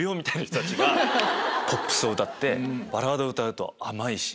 ポップスを歌ってバラード歌うと甘いし。